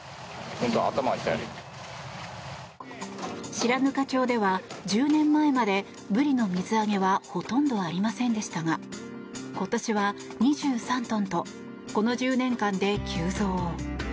白糠町では１０年前までブリの水揚げはほとんどありませんでしたが今年は２３トンとこの１０年間で急増。